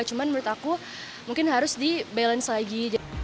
cuman menurut aku mungkin harus di balance lagi